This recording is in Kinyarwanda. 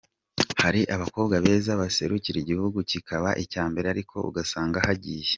hari abakobwa beza baserukira igihugu kikaba icya mbere ariko ugasanga hagiye.